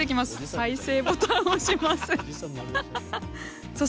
再生ボタンを押します。